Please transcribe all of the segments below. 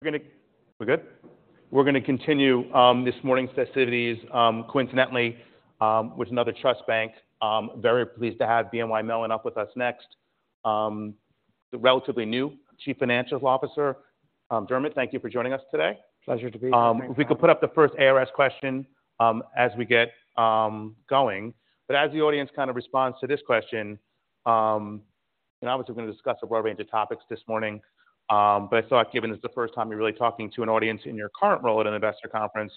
We're good? We're gonna continue this morning's festivities, coincidentally, with another trust bank. Very pleased to have BNY Mellon up with us next. The relatively new Chief Financial Officer, Dermot, thank you for joining us today. Pleasure to be here. If we could put up the first ARS question, as we get going. But as the audience kind of responds to this question, and obviously, we're going to discuss a broad range of topics this morning, but I thought, given this is the first time you're really talking to an audience in your current role at an investor conference,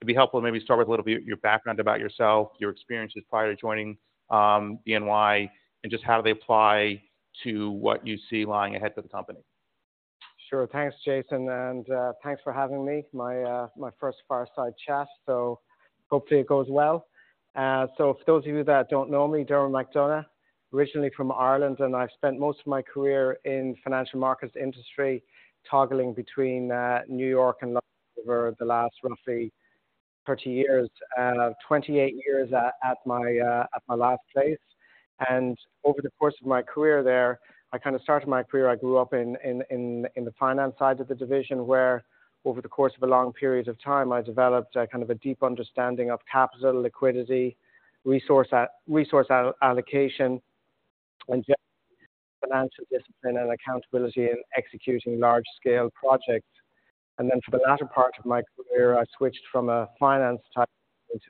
it'd be helpful to maybe start with a little bit of your background about yourself, your experiences prior to joining BNY, and just how do they apply to what you see lying ahead for the company. Sure. Thanks, Jason, and thanks for having me. My first fireside chat, so hopefully it goes well. So for those of you that don't know me, Dermot McDonogh, originally from Ireland, and I've spent most of my career in financial markets industry, toggling between New York and London over the last roughly 30 years, 28 years at my last place. And over the course of my career there, I kind of started my career. I grew up in the finance side of the division, where over the course of a long period of time, I developed a kind of a deep understanding of capital, liquidity, resource allocation, and generally financial discipline and accountability in executing large-scale projects. And then for the latter part of my career, I switched from a finance type into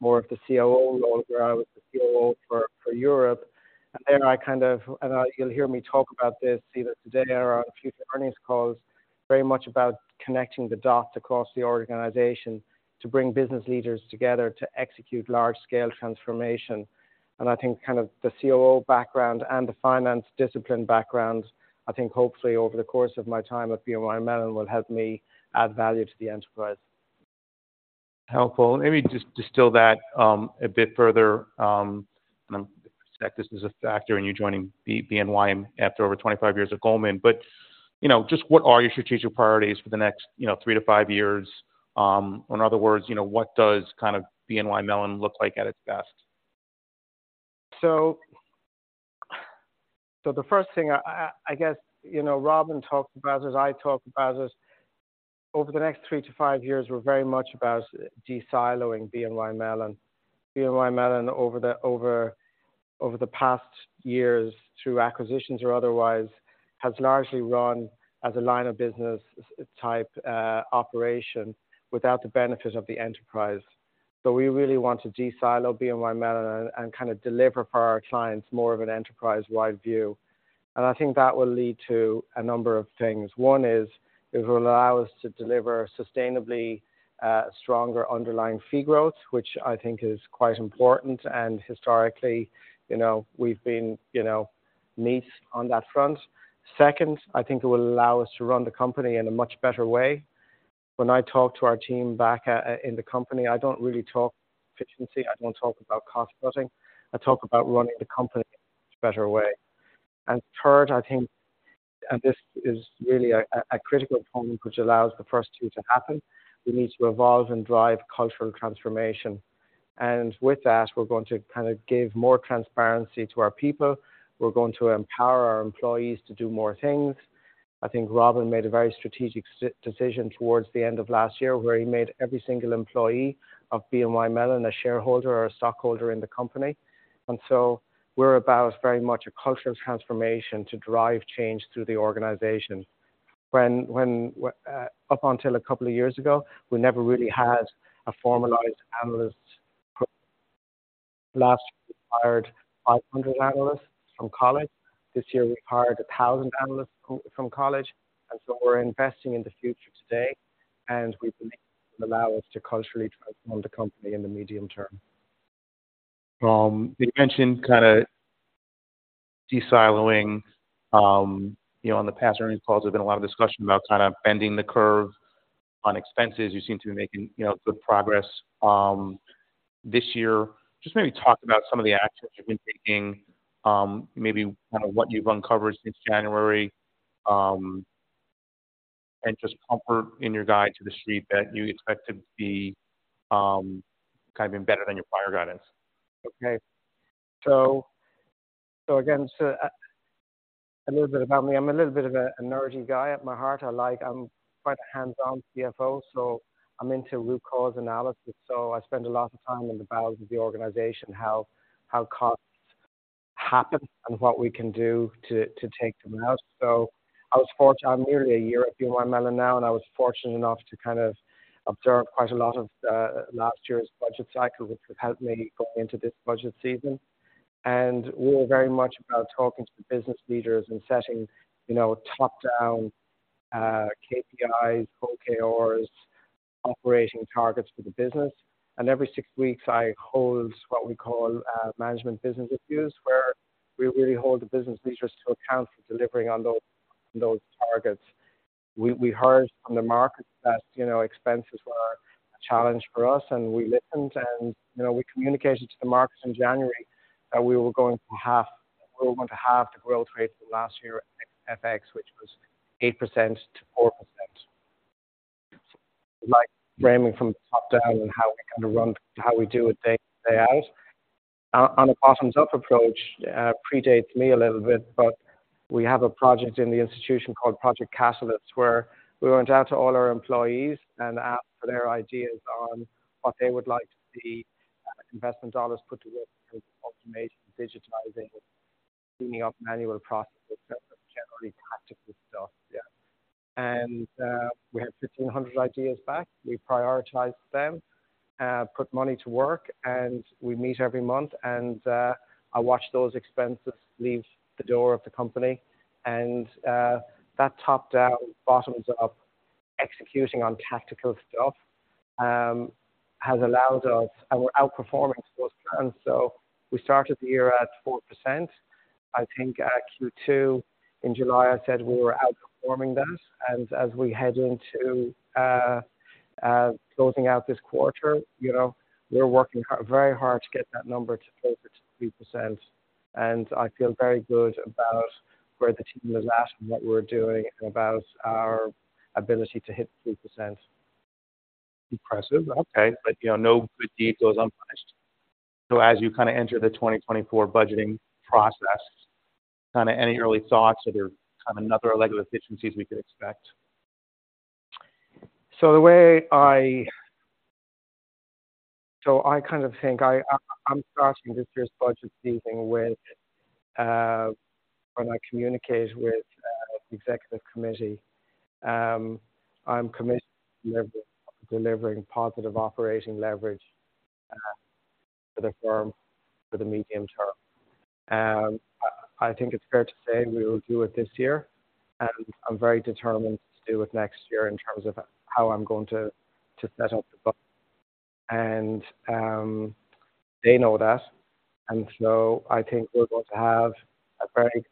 more of the COO role, where I was the COO for Europe. And then I kind of, and, you'll hear me talk about this either today or on future earnings calls, very much about connecting the dot across the organization to bring business leaders together to execute large-scale transformation. And I think kind of the COO background and the finance discipline background, I think hopefully over the course of my time at BNY Mellon, will help me add value to the enterprise. Helpful. Let me just distill that a bit further. And I suspect this is a factor in you joining BNY after over 25 years at Goldman. But, you know, just what are your strategic priorities for the next, you know, three to five years? Or in other words, you know, what does kind of BNY Mellon look like at its best? So the first thing I guess, you know, Robin talked about this, I talked about this. Over the next three to five years, we're very much about de-siloing BNY Mellon. BNY Mellon, over the past years, through acquisitions or otherwise, has largely run as a line of business type operation without the benefit of the enterprise. So we really want to de-silo BNY Mellon and kind of deliver for our clients more of an enterprise-wide view. And I think that will lead to a number of things. One is, it will allow us to deliver sustainably stronger underlying fee growth, which I think is quite important. And historically, you know, we've been, you know, net on that front. Second, I think it will allow us to run the company in a much better way. When I talk to our team back at, in the company, I don't really talk efficiency. I don't talk about cost-cutting. I talk about running the company in a much better way. And third, I think, and this is really a critical component which allows the first two to happen, we need to evolve and drive cultural transformation. And with that, we're going to kind of give more transparency to our people. We're going to empower our employees to do more things. I think Robin made a very strategic decision towards the end of last year, where he made every single employee of BNY Mellon a shareholder or a stockholder in the company. And so we're about very much a cultural transformation to drive change through the organization. Up until a couple of years ago, we never really had a formalized analyst program. Last year, we hired 500 analysts from college. This year, we hired 1,000 analysts from college, and so we're investing in the future today, and we believe it will allow us to culturally transform the company in the medium term. You mentioned kind of de-siloing. You know, on the past earnings calls, there's been a lot of discussion about kind of bending the curve on expenses. You seem to be making, you know, good progress, this year. Just maybe talk about some of the actions you've been taking, maybe kind of what you've uncovered since January, and just comfort in your guide to the street that you expect to be, kind of even better than your prior guidance. Okay. So again, a little bit about me. I'm a little bit of a nerdy guy at my heart. I like... I'm quite a hands-on CFO, so I'm into root cause analysis. So I spend a lot of time in the bowels of the organization, how costs happen and what we can do to take them out. So I was fortunate—I'm nearly a year at BNY Mellon now, and I was fortunate enough to kind of observe quite a lot of last year's budget cycle, which has helped me going into this budget season. And we're very much about talking to the business leaders and setting, you know, top-down KPIs, OKRs, operating targets for the business. Every six weeks, I hold what we call management business reviews, where we really hold the business leaders to account for delivering on those, those targets. We heard from the market that, you know, expenses were a challenge for us, and we listened, and, you know, we communicated to the market in January that we were going to half—we were going to half the growth rate from last year at FX, which was 8%-4%.... like framing from the top down and how we kind of run, how we do it day in, day out. On a bottoms-up approach predates me a little bit, but we have a project in the institution called Project Catalyst, where we went out to all our employees and asked for their ideas on what they would like to see investment dollars put to work in automation, digitizing, cleaning up manual processes, generally tactical stuff. Yeah. And we had 1,500 ideas back. We prioritized them, put money to work, and we meet every month, and I watch those expenses leave the door of the company. And that top-down, bottoms-up executing on tactical stuff has allowed us, and we're outperforming those plans. So we started the year at 4%. I think at Q2, in July, I said we were outperforming that. As we head into closing out this quarter, you know, we're working very hard to get that number closer to 3%, and I feel very good about where the team is at and what we're doing about our ability to hit 3%. Impressive. Okay. But, you know, no good deed goes unpunished. So as you kinda enter the 2024 budgeting process, kinda any early thoughts, are there kind of another leg of efficiencies we could expect? So I kind of think I'm starting this year's budget season with, when I communicate with the Executive Committee, I'm committed to delivering positive operating leverage for the firm for the medium term. I think it's fair to say we will do it this year, and I'm very determined to do it next year in terms of how I'm going to set up the budget. They know that, and so I think we're going to have a very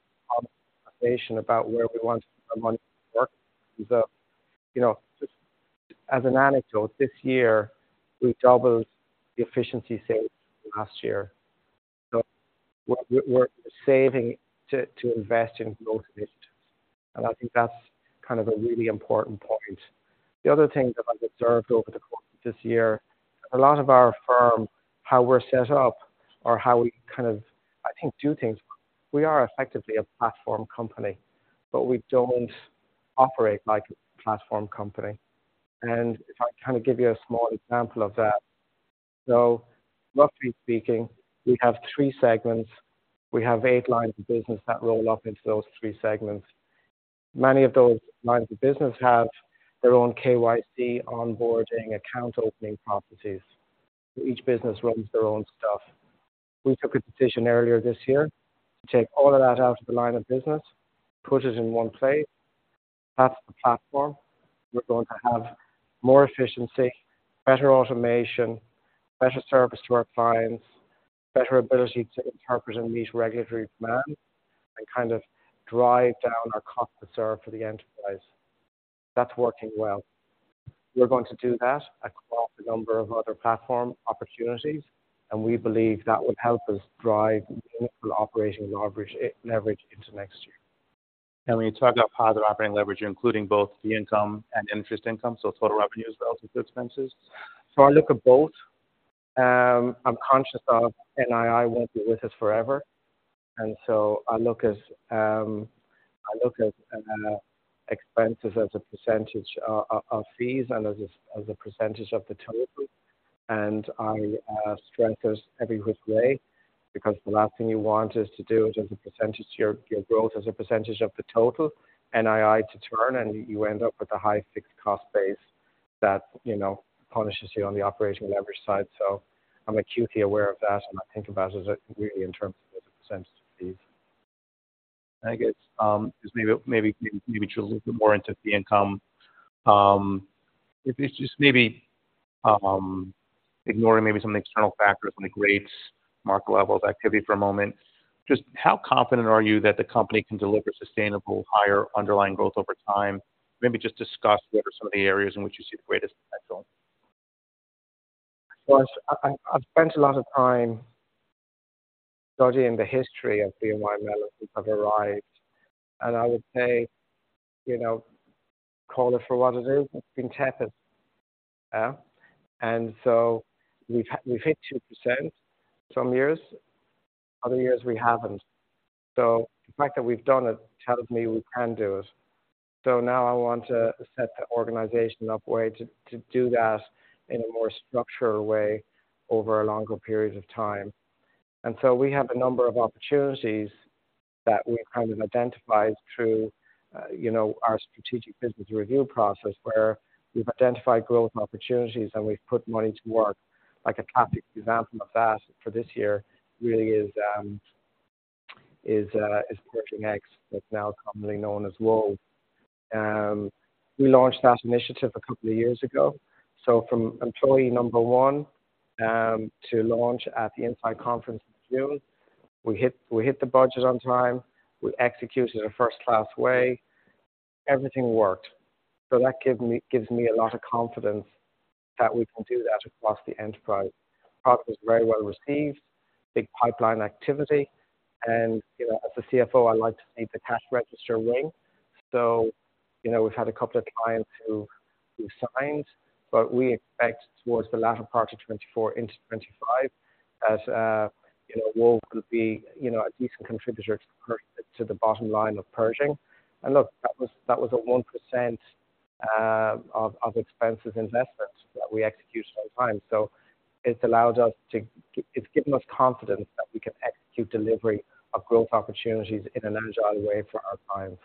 conversation about where we want the money to work. So, you know, just as an anecdote, this year we doubled the efficiency savings last year. So we're saving to invest in growth initiatives, and I think that's kind of a really important point. The other thing that I've observed over the course of this year, a lot of our firm, how we're set up or how we kind of, I think, do things, we are effectively a platform company, but we don't operate like a platform company. If I kind of give you a small example of that, so roughly speaking, we have three segments. We have eight lines of business that roll up into those three segments. Many of those lines of business have their own KYC onboarding account opening processes. So each business runs their own stuff. We took a decision earlier this year to take all of that out of the line of business, put it in one place. That's the platform. We're going to have more efficiency, better automation, better service to our clients, better ability to interpret and meet regulatory demands, and kind of drive down our cost to serve for the enterprise. That's working well. We're going to do that across a number of other platform opportunities, and we believe that will help us drive meaningful operational leverage, leverage into next year. When you talk about positive operating leverage, you're including both fee income and interest income, so total revenues, but also expenses? So I look at both. I'm conscious of NII won't be with us forever. And so I look at expenses as a percentage of fees and as a percentage of the total. And I strengthen every which way, because the last thing you want is to do it as a percentage to your growth as a percentage of the total NII to turn, and you end up with a high fixed cost base that, you know, punishes you on the operational leverage side. So I'm acutely aware of that, and I think about it really in terms of the percentage of fees. I guess, just maybe drill a little bit more into fee income. If it's just maybe, ignoring maybe some of the external factors from the Fed's, market levels, activity for a moment, just how confident are you that the company can deliver sustainable, higher underlying growth over time? Maybe just discuss what are some of the areas in which you see the greatest potential. Well, I've spent a lot of time studying the history of BNY Mellon, which have arrived, and I would say, you know, call it for what it is. It's been tepid. Yeah. And so we've hit 2% some years, other years we haven't. So the fact that we've done it tells me we can do it. So now I want to set the organization up way to do that in a more structured way over a longer period of time. And so we have a number of opportunities that we've kind of identified through, you know, our strategic business review process, where we've identified growth opportunities and we've put money to work. Like a classic example of that for this year really is Project X, what's now commonly known as Wove. We launched that initiative a couple of years ago. So from employee number one to launch at the INSITE conference in June, we hit the budget on time. We executed a first-class way. Everything worked. So that gives me a lot of confidence that we can do that across the enterprise. Product was very well received, big pipeline activity. And, you know, as a CFO, I like to see the cash register ring. So, you know, we've had a couple of clients who signed, but we expect towards the latter part of 2024 into 2025 as, you know, Wove could be a decent contributor to the bottom line of Pershing. And look, that was a 1% of expensive investments that we executed on time. So it's allowed us to—it's given us confidence that we can execute delivery of growth opportunities in an agile way for our clients.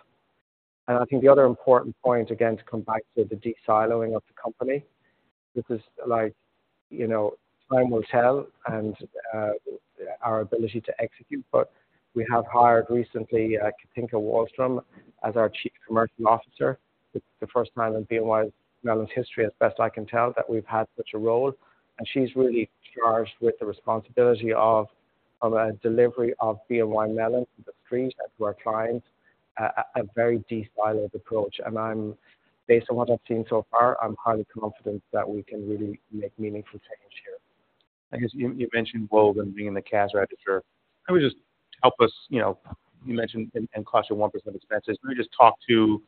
And I think the other important point, again, to come back to the de-siloing of the company, because like, you know, time will tell and our ability to execute, but we have hired recently, Cathinka Wahlstrom as our Chief Commercial Officer, the first time in BNY Mellon's history, as best I can tell, that we've had such a role. And she's really charged with the responsibility of delivery of BNY Mellon to the street and to our clients, a very de-siloed approach. And I'm—based on what I've seen so far, I'm highly confident that we can really make meaningful change here. I guess, you mentioned Wove and being in the cash register. Maybe just help us, you know, you mentioned and cost you 1% of expenses. Maybe just talk to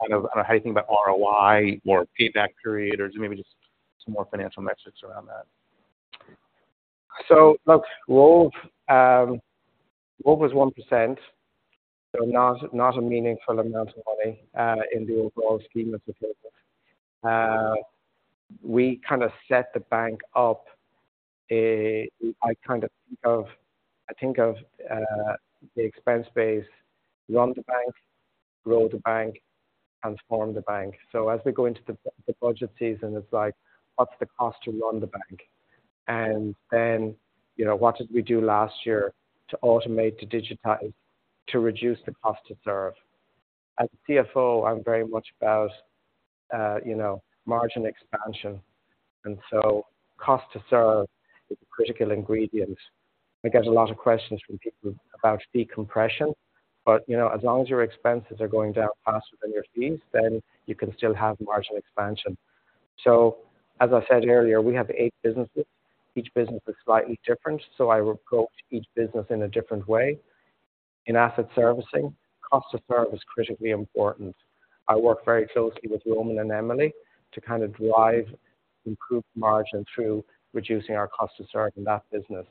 kind of, I don't know, how you think about ROI or payback period, or maybe just some more financial metrics around that. So look, Wove, Wove was 1%, so not, not a meaningful amount of money, in the overall scheme of the business. We kind of set the bank up, I kind of think of the expense base, run the bank, grow the bank, transform the bank. So as we go into the budget season, it's like, what's the cost to run the bank? And then, you know, what did we do last year to automate, to digitize, to reduce the cost to serve? As a CFO, I'm very much about, you know, margin expansion, and so cost to serve is a critical ingredient. I get a lot of questions from people about decompression, but, you know, as long as your expenses are going down faster than your fees, then you can still have margin expansion. So as I said earlier, we have eight businesses. Each business is slightly different, so I approach each business in a different way. In asset servicing, cost to serve is critically important. I work very closely with Roman and Emily to kind of drive improved margin through reducing our cost to serve in that business.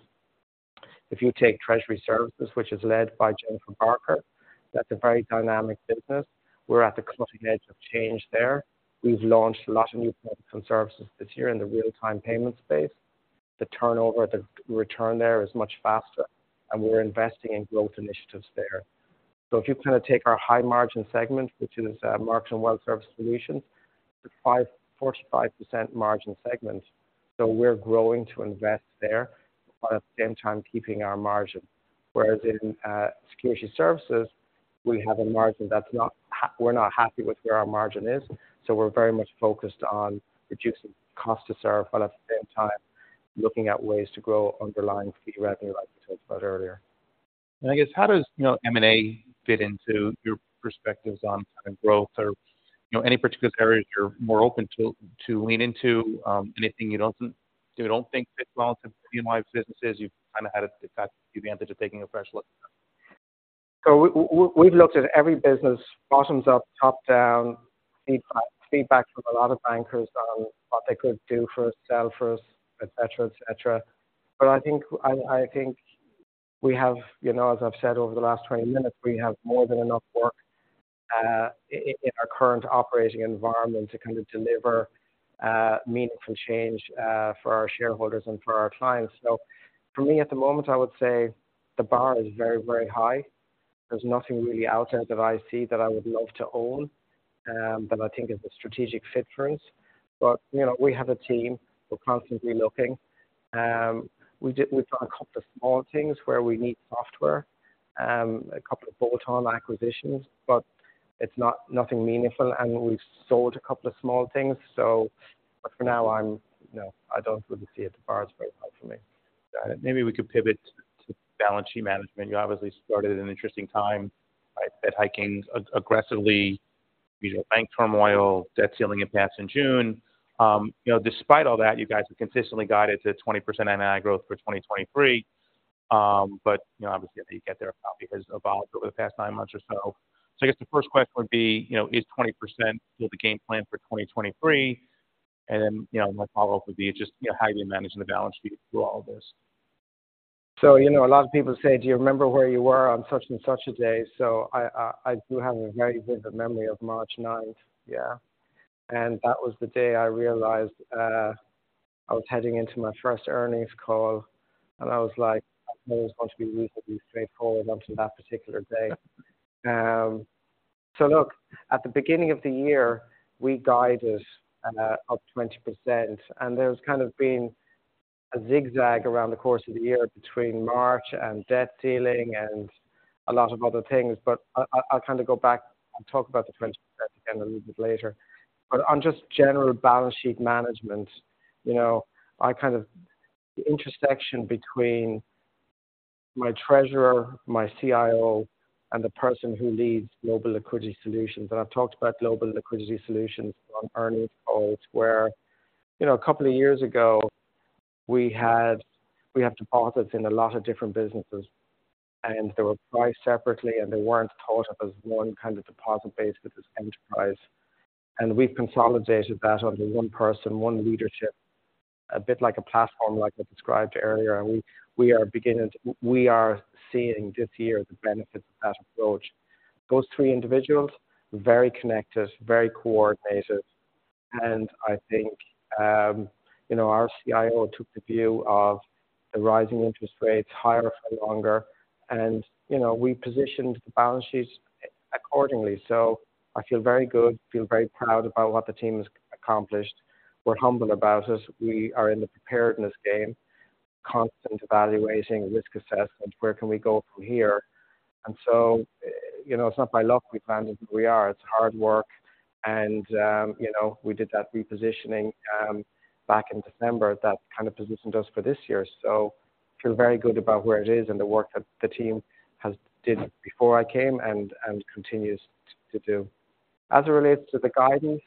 If you take treasury services, which is led by Jennifer Barker, that's a very dynamic business. We're at the cutting edge of change there. We've launched a lot of new products and services this year in the real-time payment space. The turnover, the return there is much faster, and we're investing in growth initiatives there. So if you kind of take our high-margin segment, which is markets and wealth service solutions, it's 55% margin segment, so we're growing to invest there, but at the same time keeping our margin. Whereas in security services, we have a margin that's not. We're not happy with where our margin is, so we're very much focused on reducing cost to serve, while at the same time, looking at ways to grow underlying fee revenue, like we talked about earlier. I guess, how does, you know, M&A fit into your perspectives on kind of growth or, you know, any particular areas you're more open to lean into, anything you don't think fits well into BNY's businesses? You've kind of had the advantage of taking a fresh look? So we've looked at every business, bottoms up, top down, feedback, feedback from a lot of bankers on what they could do for us, sell for us, et cetera, et cetera. But I think, I think we have, you know, as I've said over the last 20 minutes, we have more than enough work in our current operating environment to kind of deliver meaningful change for our shareholders and for our clients. So for me, at the moment, I would say the bar is very, very high. There's nothing really out there that I see that I would love to own that I think is a strategic fit for us. But, you know, we have a team. We're constantly looking. We've done a couple of small things where we need software, a couple of bolt-on acquisitions, but it's not nothing meaningful, and we've sold a couple of small things. So but for now, I'm... No, I don't really see it. The bar is very high for me. Got it. Maybe we could pivot to balance sheet management. You obviously started at an interesting time, right? Fed hiking aggressively, you know, bank turmoil, debt ceiling impasse in June. You know, despite all that, you guys have consistently guided to 20% NII growth for 2023. But, you know, obviously, how you get there probably has evolved over the past nine months or so. So I guess the first question would be, you know, is 20% still the game plan for 2023? And then, you know, my follow-up would be just, you know, how are you managing the balance sheet through all of this? So, you know, a lot of people say, "Do you remember where you were on such and such a day?" So I, I do have a very vivid memory of March 9th. Yeah. And that was the day I realized, I was heading into my first earnings call, and I was like, "I thought it was going to be reasonably straightforward," until that particular day. So look, at the beginning of the year, we guided up 20%, and there's kind of been a zigzag around the course of the year between March and debt ceiling, and a lot of other things. But I, I, I'll kind of go back and talk about the 20% again a little bit later. But on just general balance sheet management, you know, I kind of, the intersection between-... My treasurer, my CIO, and the person who leads Global Liquidity Solutions. And I've talked about Global Liquidity Solutions on earnings calls, where, you know, a couple of years ago, we had, we have deposits in a lot of different businesses, and they were priced separately, and they weren't thought of as one kind of deposit base with this enterprise. And we've consolidated that under one person, one leadership, a bit like a platform like I described earlier, and we, we are beginning, we are seeing this year the benefits of that approach. Those three individuals, very connected, very coordinated. And I think, you know, our CIO took the view of the rising interest rates higher for longer, and, you know, we positioned the balance sheets accordingly. So I feel very good, feel very proud about what the team has accomplished. We're humble about it. We are in the preparedness game, constant evaluating, risk assessment, where can we go from here? And so, you know, it's not by luck we planned, we are. It's hard work, and, you know, we did that repositioning back in December. That kind of positioned us for this year. Feel very good about where it is and the work that the team has did before I came and continues to do. As it relates to the guidance,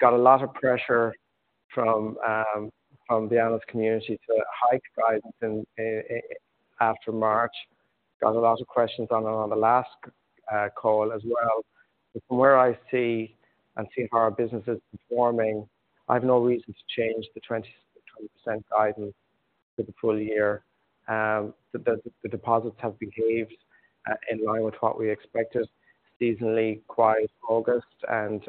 got a lot of pressure from the analyst community to hike guidance after March. Got a lot of questions on the last call as well. But from where I see and seeing how our business is performing, I have no reason to change the 20-20% guidance for the full year. The deposits have behaved in line with what we expected. Seasonally, quiet August, and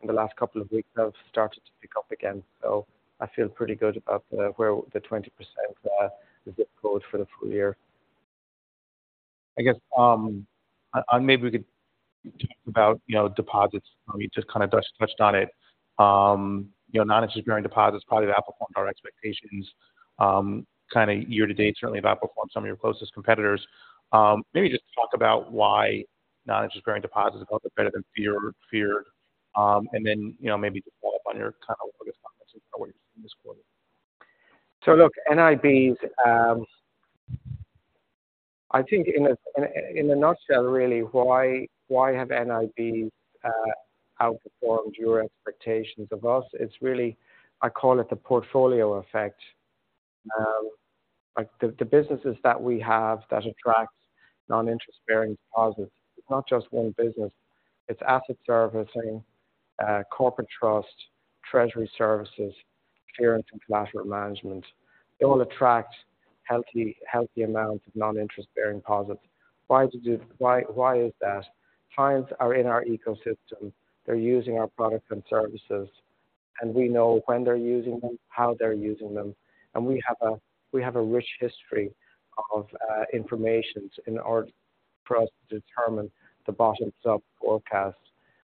in the last couple of weeks, have started to pick up again. So I feel pretty good about where the 20% is going for the full year. I guess, and maybe we could talk about, you know, deposits. We just kind of touched on it. You know, non-interest bearing deposits probably outperformed our expectations, kind of year to date, certainly have outperformed some of your closest competitors. Maybe just talk about why non-interest bearing deposits are better than peers, and then, you know, maybe just follow up on your kind of comments in this quarter. So look, NIBs, I think in a nutshell, really, why have NIBs outperformed your expectations of us? It's really, I call it the portfolio effect. Like, the businesses that we have that attract non-interest-bearing deposits, it's not just one business. It's asset servicing, corporate trust, treasury services, clearance and collateral management. They all attract healthy amounts of non-interest-bearing deposits. Why is that? Clients are in our ecosystem. They're using our products and services, and we know when they're using them, how they're using them, and we have a rich history of information in order for us to determine the bottom-up forecast.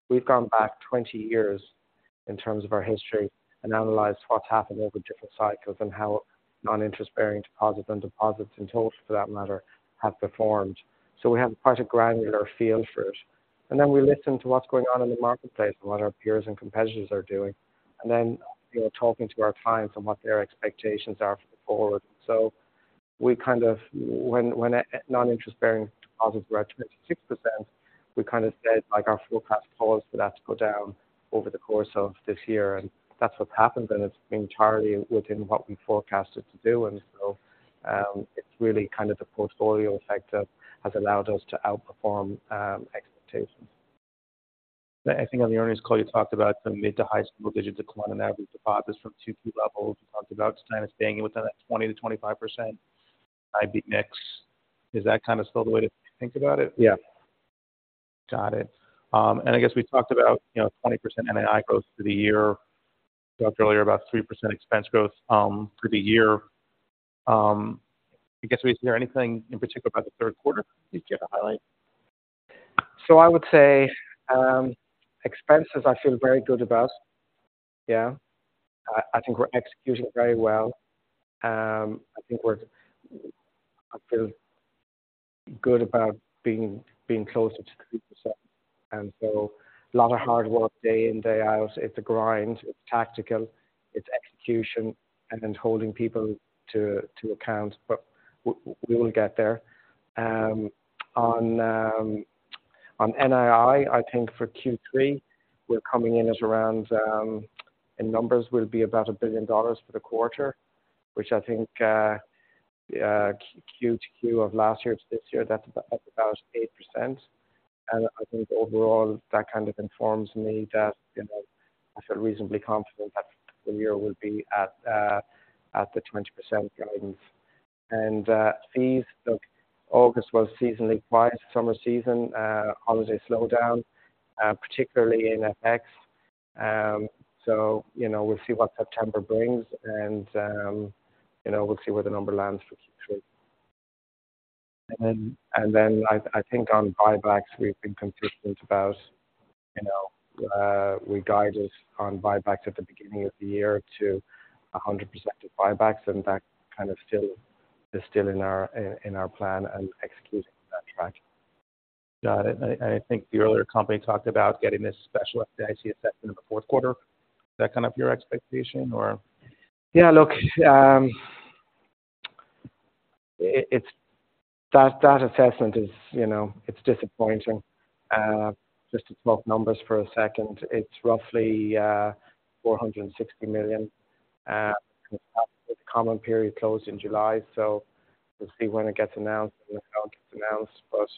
We've gone back 20 years in terms of our history and analyzed what's happened over different cycles and how non-interest-bearing deposits and deposits in total, for that matter, have performed. So we have quite a granular feel for it. And then we listen to what's going on in the marketplace and what our peers and competitors are doing, and then, you know, talking to our clients and what their expectations are for forward. So we kind of, when, when non-interest-bearing deposits were at 26%, we kind of said, like, our forecast calls for that to go down over the course of this year, and that's what's happened, and it's entirely within what we forecasted to do. And so, it's really kind of the portfolio effect of, has allowed us to outperform expectations. I think on the earnings call, you talked about some mid to high single-digits decline on average deposits from two key levels. You talked about kind of staying within that 20%-25% NIB mix. Is that kind of still the way to think about it? Yeah. Got it. And I guess we talked about, you know, 20% NII growth for the year. Talked earlier about 3% expense growth for the year. I guess, is there anything in particular about the third quarter you'd care to highlight? So I would say, expenses, I feel very good about. Yeah. I think we're executing very well. I think we're... I feel good about being closer to 3%, and so a lot of hard work day in, day out. It's a grind, it's tactical, it's execution and holding people to account, but we will get there. On NII, I think for Q3, we're coming in at around, in numbers will be about $1 billion for the quarter, which I think, Q2 of last year to this year, that's about 8%. And I think overall, that kind of informs me that, you know, I feel reasonably confident that the year will be at the 20% guidance. And, fees, look, August was seasonally quiet, summer season, holiday slowdown, particularly in FX. So, you know, we'll see what September brings, and, you know, we'll see where the number lands for Q3. And then, I think on buybacks, we've been consistent about, you know, we guided on buybacks at the beginning of the year to 100% of buybacks, and that kind of still is in our plan and executing on that track. Got it. I think the earlier company talked about getting this special FDIC assessment in the fourth quarter. Is that kind of your expectation or? Yeah, look, it's that assessment, you know, it's disappointing. Just to talk numbers for a second, it's roughly $460 million. The comment period closed in July, so we'll see when it gets announced, and the amount gets announced. But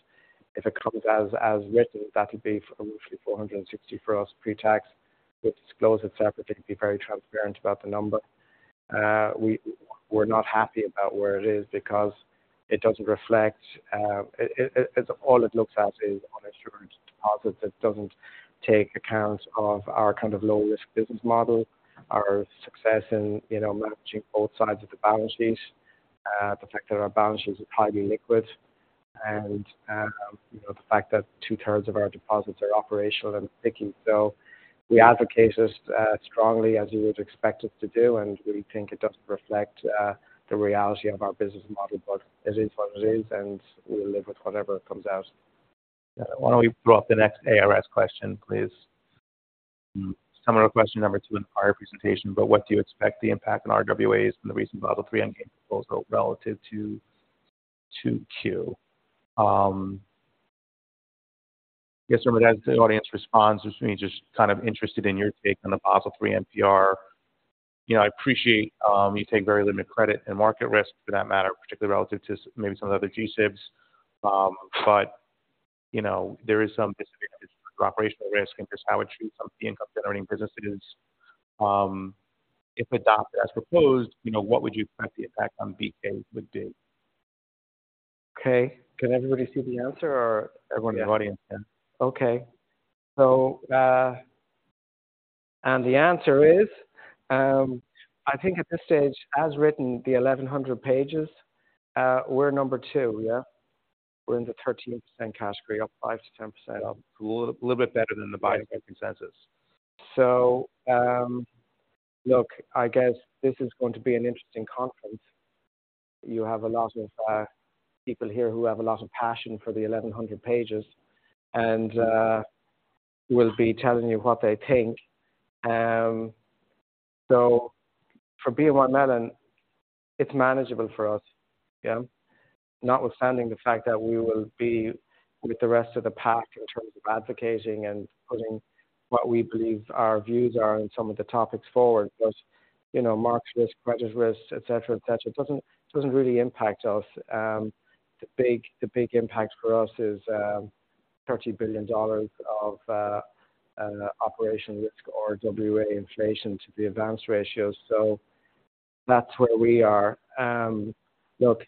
if it comes as written, that'll be roughly $460 million for us pre-tax. We'll disclose it separately, be very transparent about the number. We're not happy about where it is because it doesn't reflect. All it looks at is uninsured deposits. It doesn't take account of our kind of low-risk business model, our success in, you know, managing both sides of the balance sheets, the fact that our balance sheets are highly liquid and, you know, the fact that two-thirds of our deposits are operational and sticky. So we advocate this strongly, as you would expect us to do, and we think it doesn't reflect the reality of our business model. But it is what it is, and we'll live with whatever comes out. Why don't we pull up the next ARS question, please? Similar question number two in our presentation, but what do you expect the impact on RWAs and the recent Basel III Endgame proposal relative to 2Q? I guess as the audience responds, which means just kind of interested in your take on the Basel III NPR. You know, I appreciate, you take very limited credit and market risk for that matter, particularly relative to maybe some of the other G-SIBs. But, you know, there is some operational risk and just how it treats some of the income-generating businesses. If adopted as proposed, you know, what would you expect the impact on BK would be? Okay. Can everybody see the answer or- Everyone in the audience can. Okay. So, and the answer is, I think at this stage, as written, the 1,100 pages, we're number two, yeah? We're in the 13% category, up 5%-10% up. A little, little bit better than the consensus. So, look, I guess this is going to be an interesting conference. You have a lot of people here who have a lot of passion for the 1,100 pages, and will be telling you what they think. So for BNY Mellon, it's manageable for us. Yeah. Notwithstanding the fact that we will be with the rest of the pack in terms of advocating and putting what we believe our views are on some of the topics forward. But, you know, market risk, credit risk, et cetera, et cetera, it doesn't really impact us. The big impact for us is $30 billion of operational risk or RWA inflation to the advanced ratio. So that's where we are. Look,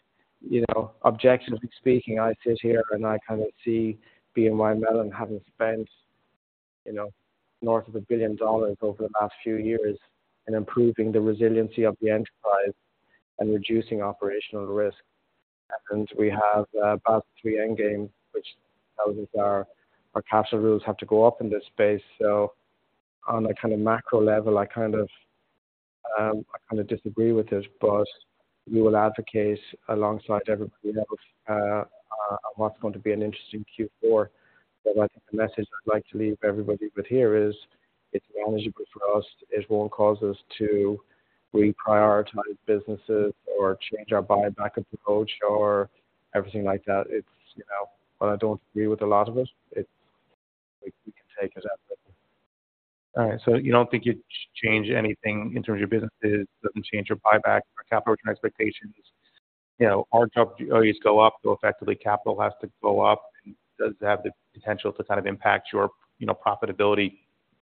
you know, objectively speaking, I sit here, and I kind of see BNY Mellon having spent, you know, North of $1 billion over the past few years in improving the resiliency of the enterprise and reducing operational risk. And we have about the Basel III Endgame, which tells us our capital rules have to go up in this space. So on a kind of macro level, I kind of disagree with it, but we will advocate alongside everybody else on what's going to be an interesting Q4. But I think the message I'd like to leave everybody with here is, it's manageable for us. It won't cause us to reprioritize businesses or change our buyback approach or everything like that. It's, you know, but I don't agree with a lot of it. It's we can take it as it. All right. So you don't think you'd change anything in terms of your businesses; doesn't change your buyback or capital return expectations? You know, RWA go up, so effectively capital has to go up, and does it have the potential to kind of impact your, you know, profitability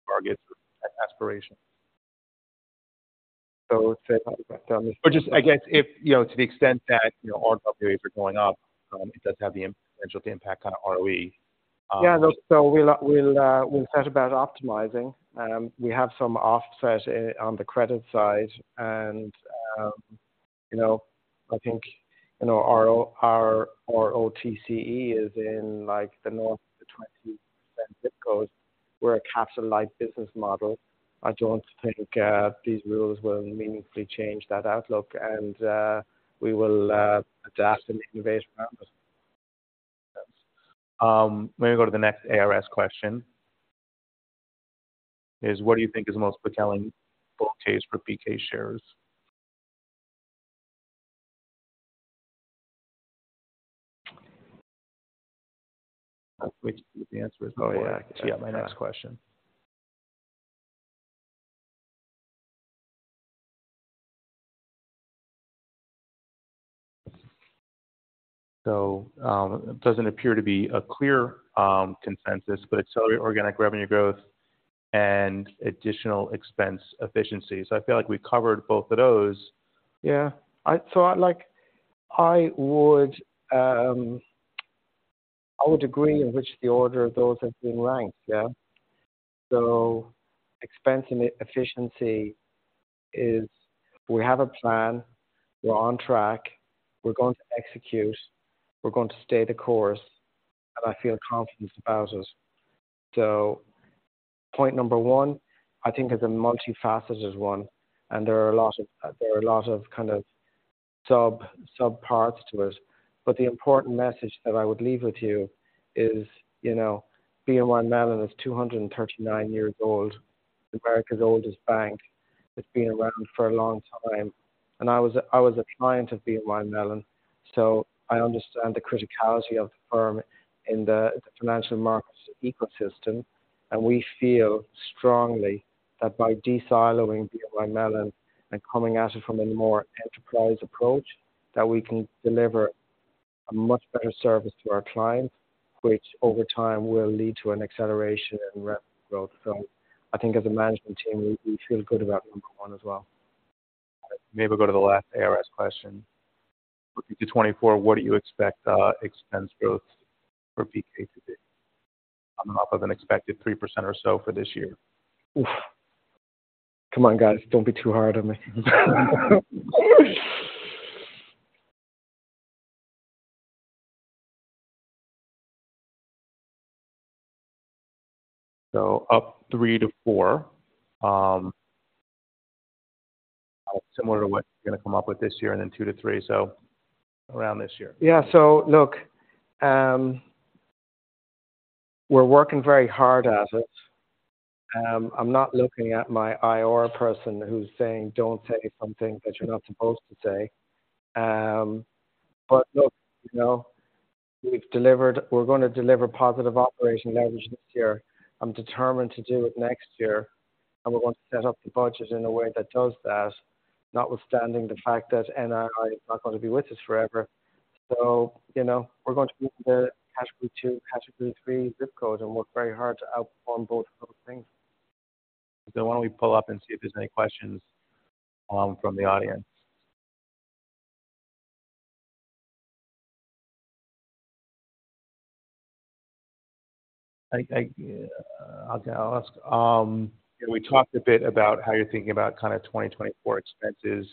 targets or aspirations? Say that again. But just, I guess, if, you know, to the extent that, you know, RWA are going up, it does have the potential to impact on ROE- Yeah. So we'll set about optimizing. We have some offset on the credit side, and you know, I think you know, our ROTCE is in, like, the North of the 20% ZIP code. We're a capital light business model. I don't think these rules will meaningfully change that outlook, and we will adapt and innovate around it. Let me go to the next ARS question. What do you think is the most compelling bull case for BK shares? Which the answer is- Oh, yeah. That's my next question. So, it doesn't appear to be a clear consensus, but it's early organic revenue growth and additional expense efficiencies. I feel like we covered both of those. Yeah. So I'd like... I would agree in which the order of those have been ranked. Yeah. So expense and efficiency is, we have a plan, we're on track, we're going to execute, we're going to stay the course, and I feel confident about it. So point number one, I think, is a multifaceted one, and there are a lot of, there are a lot of kind of sub, subparts to it. But the important message that I would leave with you is, you know, BNY Mellon is 239 years old, America's oldest bank. It's been around for a long time, and I was a client of BNY Mellon, so I understand the criticality of the firm in the financial markets ecosystem. We feel strongly that by de-siloing BNY Mellon and coming at it from a more enterprise approach, that we can deliver a much better service to our clients, which over time will lead to an acceleration in revenue growth. So I think as a management team, we, we feel good about number one as well. Maybe we'll go to the last ARS question. Looking to 2024, what do you expect, expense growth for BK to be, off of an expected 3% or so for this year? Oof! Come on, guys. Don't be too hard on me. So up three to four, similar to what you're going to come up with this year and then two to three. So around this year. Yeah. So look, we're working very hard at it. I'm not looking at my IR person who's saying, "Don't say something that you're not supposed to say." But look, you know, we've delivered, we're going to deliver positive operational leverage this year. I'm determined to do it next year, and we're going to set up the budget in a way that does that, notwithstanding the fact that NII is not going to be with us forever. So, you know, we're going to be the category two, category three ZIP code and work very hard to outperform both of those things. So why don't we pull up and see if there's any questions from the audience? I, okay, I'll ask. We talked a bit about how you're thinking about kind of 2024 expenses.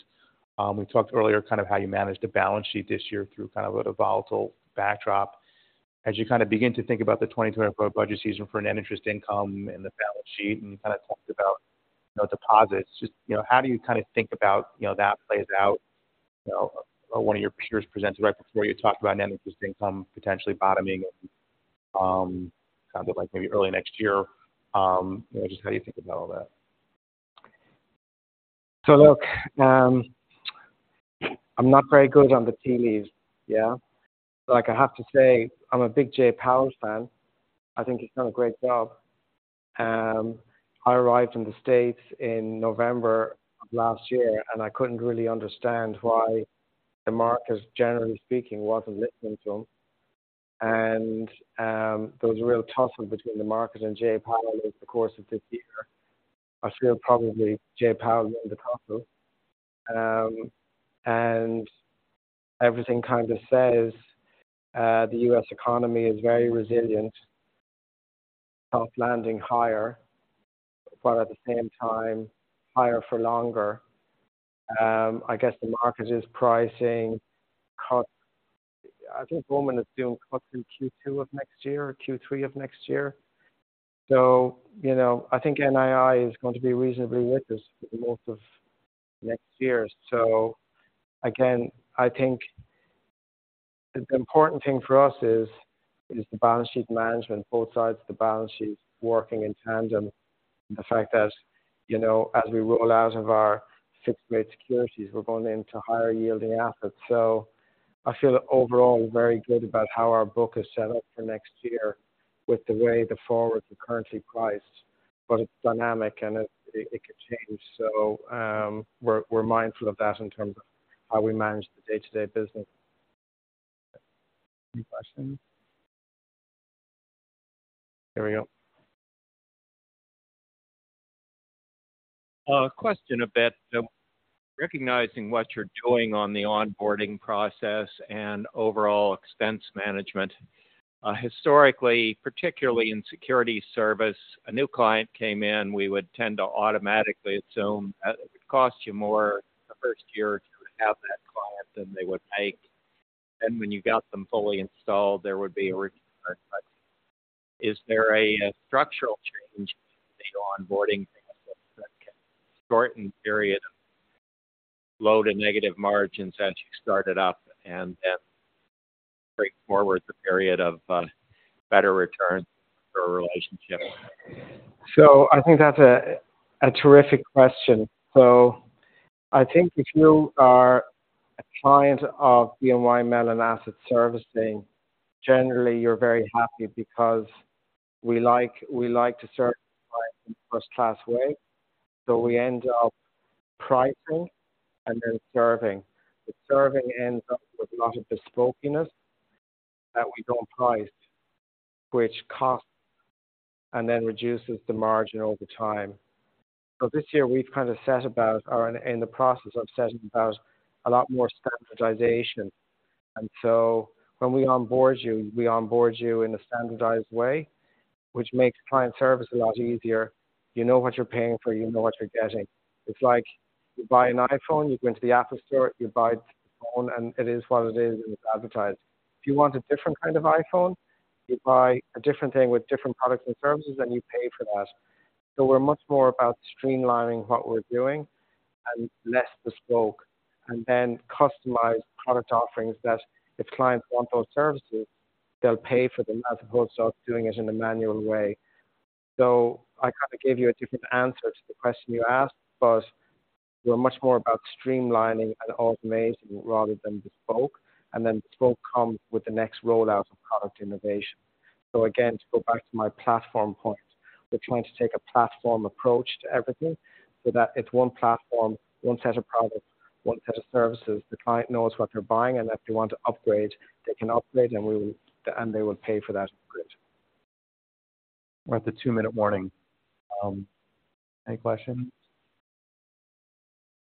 We talked earlier, kind of how you managed the balance sheet this year through kind of a volatile backdrop. As you kind of begin to think about the 2024 budget season for net interest income and the balance sheet, and you kind of talked about, you know, deposits, just, you know, how do you kind of think about, you know, that plays out? You know, one of your peers presented right before you talked about net interest income potentially bottoming in, kind of like maybe early next year. Just how do you think about all that? So look, I'm not very good on the tea leaves. Yeah. Like, I have to say, I'm a big Jay Powell fan. I think he's done a great job. I arrived in the States in November of last year, and I couldn't really understand why the market, generally speaking, wasn't listening to him. And there was a real tussle between the market and Jay Powell over the course of this year. I feel probably Jay Powell won the tussle. And everything kind of says, the U.S. economy is very resilient, soft landing higher, but at the same time, higher for longer. I guess the market is pricing cut. I think Roman is doing cuts in Q2 of next year or Q3 of next year. So, you know, I think NII is going to be reasonably with us for the most of next year. So again, I think the important thing for us is the balance sheet management, both sides of the balance sheet working in tandem. The fact that, you know, as we roll out of our fixed-rate securities, we're going into higher-yielding assets. So I feel overall very good about how our book is set up for next year with the way the forward and currency price, but it's dynamic and it could change. So, we're mindful of that in terms of how we manage the day-to-day business. Any questions? There we go. Question a bit. So recognizing what you're doing on the onboarding process and overall expense management, historically, particularly in security service, a new client came in, we would tend to automatically assume that it would cost you more the first year to have that client than they would pay. Then when you got them fully installed, there would be a return. But is there a structural change in the onboarding that can shorten the period of load and negative margins as you start it up and then bring forward the period of, better returns for a relationship? So I think that's a terrific question. So I think if you are a client of BNY Mellon Asset Servicing, generally, you're very happy because we like, we like to serve clients in a first-class way. So we end up pricing and then serving. The serving ends up with a lot of bespokeness that we don't price, which costs and then reduces the margin over time. So this year, we've kind of set about or in the process of setting about a lot more standardization. And so when we onboard you, we onboard you in a standardized way, which makes client service a lot easier. You know what you're paying for, you know what you're getting. It's like you buy an iPhone, you go into the Apple store, you buy a phone, and it is what it is, and it's advertised. If you want a different kind of iPhone, you buy a different thing with different products and services, and you pay for that. So we're much more about streamlining what we're doing and less bespoke, and then customize product offerings that if clients want those services, they'll pay for them as opposed to doing it in a manual way. So I kind of gave you a different answer to the question you asked, but we're much more about streamlining and automating rather than bespoke, and then bespoke comes with the next rollout of product innovation. So again, to go back to my platform point, we're trying to take a platform approach to everything so that it's one platform, one set of products, one set of services. The client knows what they're buying, and if they want to upgrade, they can upgrade, and they will pay for that upgrade. We're at the two-minute warning. Any questions?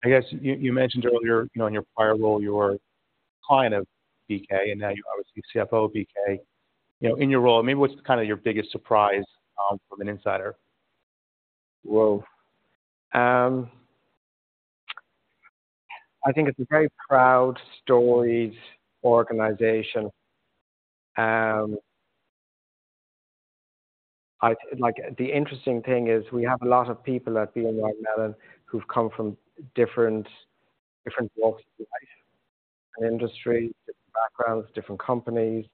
I guess you mentioned earlier, you know, in your prior role, you were a client of BK, and now you're obviously CFO of BK. You know, in your role, maybe what's kind of your biggest surprise from an insider? Whoa! I think it's a very proud, storied organization. Like, the interesting thing is we have a lot of people at BNY Mellon who've come from different, different walks of life and industry, different backgrounds, different companies.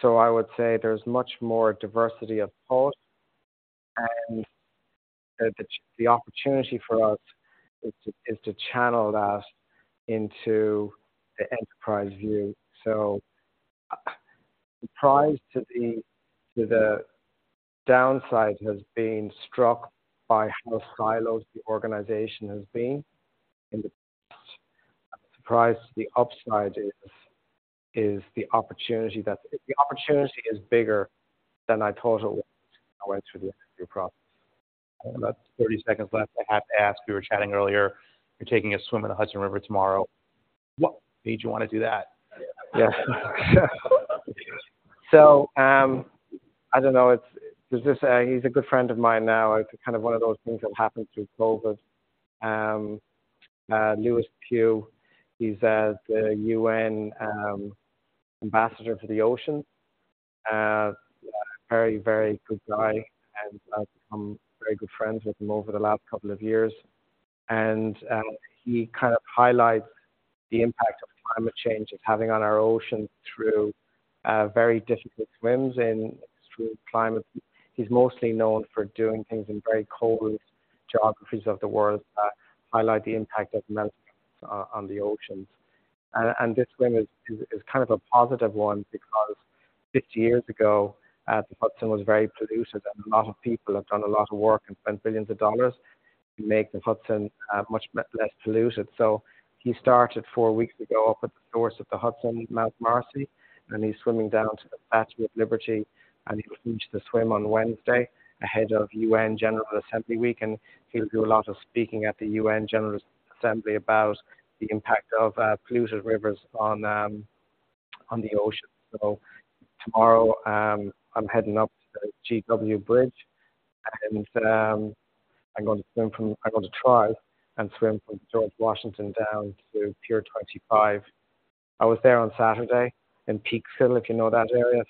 So I would say there's much more diversity of thought, and the, the opportunity for us is to, is to channel that into the enterprise view. So surprised to the, to the downside, has been struck by how siloed the organization has been in the past. Surprised the upside is, is the opportunity that... The opportunity is bigger than I thought it was when I went through the interview process. About 30 seconds left. I have to ask, we were chatting earlier, you're taking a swim in the Hudson River tomorrow. What made you wanna do that? Yes. So, I don't know. There's this. He's a good friend of mine now, kind of one of those things that happened through COVID. Lewis Pugh, he's the U.N. Ambassador for the Ocean. Very, very good guy, and I've become very good friends with him over the last couple of years. And he kind of highlights the impact of climate change is having on our ocean through very difficult swims in extreme climate. He's mostly known for doing things in very cold geographies of the world that highlight the impact of melting on the oceans. This swim is kind of a positive one because 50 years ago, the Hudson was very polluted, and a lot of people have done a lot of work and spent billions of dollars to make the Hudson much less polluted. So he started four weeks ago, up at the source of the Hudson, Mount Marcy, and he's swimming down to the Statue of Liberty, and he will finish the swim on Wednesday ahead of UN General Assembly Week. And he'll do a lot of speaking at the UN General Assembly about the impact of polluted rivers on the ocean. So tomorrow, I'm heading up to the GW Bridge, and I'm going to swim from... I'm going to try and swim from George Washington down to Pier 25. I was there on Saturday in Peekskill, if you know that area,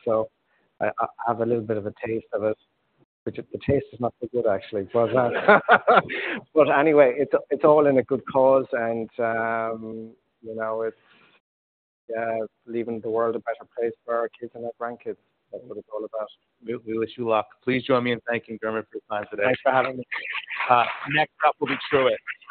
so I have a little bit of a taste of it. The taste is not so good, actually, but anyway, it's all in a good cause, and you know it's leaving the world a better place for our kids and our grandkids. That's what it's all about. We wish you luck. Please join me in thanking Dermot for his time today. Thanks for having me. Next up will be Truist.